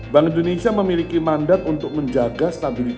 bank indonesia memiliki mandat untuk menjalankan kekuatan keuangan